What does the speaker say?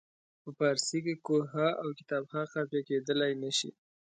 په فارسي کې کوه ها او کتاب ها قافیه کیدلای نه شي.